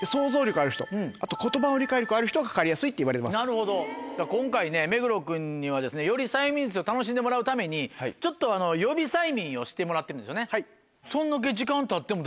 なるほど今回目黒君にはより催眠術を楽しんでもらうためにちょっと予備催眠をしてもらってるんですよね。